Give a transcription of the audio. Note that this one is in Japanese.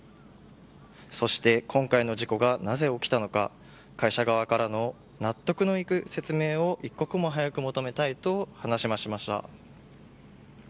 そして、今回の事故がなぜ起きたのか会社側からの納得のいく説明を一刻も早く求めたいと話しました。